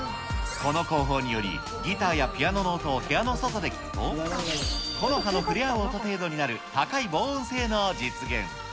この工法により、ギターやピアノの音を部屋の外で聴くと、木の葉の触れ合う音程度になる高い防音性能を実現。